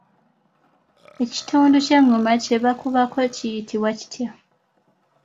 Ekitundu ky’engoma kye bakubako kiyitibwa kitya?